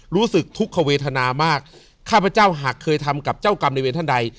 รู้สึกทุกขเวทนามากข้าพเจ้าหากเคยทำกับเจ้ากรรมในเวรท่านใด